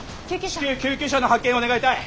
至急救急車の派遣を願いたい。